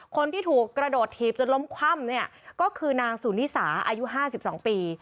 คนที่ถูกกระโดดถีบจนล้มคว่ำก็คือนางศูนย์นี่สาอายุ๕๒ปี